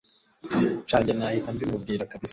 sha njye nahita mbimubwira kabisa